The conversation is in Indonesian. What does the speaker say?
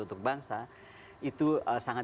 untuk bangsa itu sangat